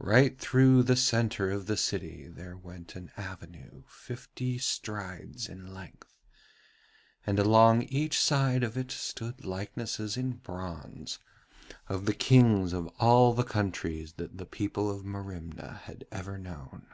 Right through the centre of the city there went an avenue fifty strides in width, and along each side of it stood likenesses in bronze of the Kings of all the countries that the people of Merimna had ever known.